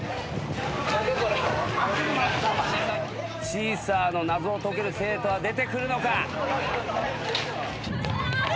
シーサーの謎を解ける生徒は出てくるのか？